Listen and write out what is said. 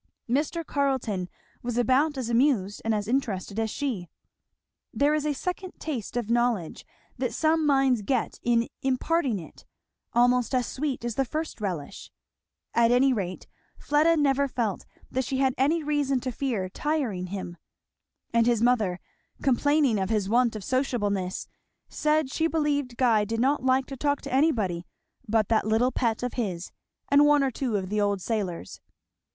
Mr. Carleton was about as amused and as interested as she. There is a second taste of knowledge that some minds get in imparting it, almost as sweet as the first relish. At any rate Fleda never felt that she had any reason to fear tiring him; and his mother complaining of his want of sociableness said she believed Guy did not like to talk to anybody but that little pet of his and one or two of the old sailors.